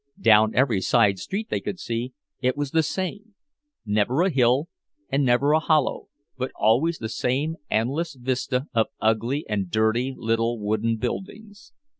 Down every side street they could see, it was the same—never a hill and never a hollow, but always the same endless vista of ugly and dirty little wooden buildings.